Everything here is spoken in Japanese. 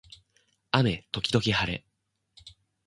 雨時々はれ